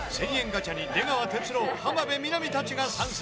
ガチャに出川哲朗浜辺美波たちが参戦